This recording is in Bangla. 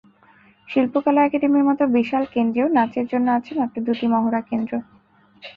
শিল্পকলা একাডেমির মতো বিশাল কেন্দ্রেও নাচের জন্য আছে মাত্র দুটি মহড়াকেন্দ্র।